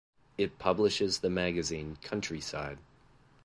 It publishes the magazine "Country-Side".